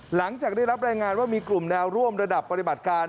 หลังจากได้รับรายงานว่ามีกลุ่มแนวร่วมระดับปฏิบัติการ